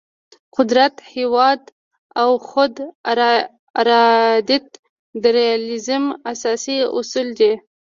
قدرت، هیواد او خود ارادیت د ریالیزم اساسي اصول دي.